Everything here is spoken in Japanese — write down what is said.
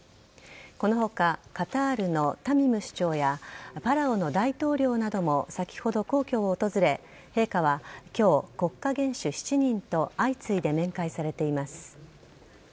この他カタールのタミム首長やパラオの大統領なども先ほど、皇居を訪れ陛下は今日、国家元首７人と相次いで面会されています。